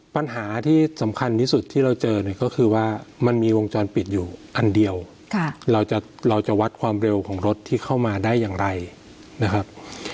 ปัญหาที่สำคัญที่สุดที่เราเจอเนี่ยก็คือว่ามันมีวงจรปิดอยู่อันเดียวเราจะวัดความเร็วของรถที่เข้ามาได้อย่างไรนะครับ